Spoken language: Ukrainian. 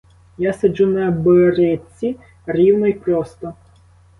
Я сиджу на бричці рівно й просто.